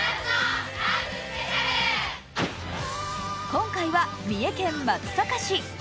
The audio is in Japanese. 今回は三重県松阪市。